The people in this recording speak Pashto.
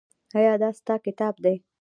ایا دا ستا کتاب دی؟